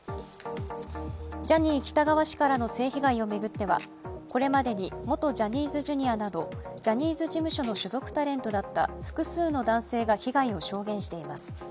ジャニー喜多川氏からの性被害を巡ってはこれまでに元ジャニーズＪｒ．などジャニーズ事務所の所属タレントだった複数の男性が被害を証言しています。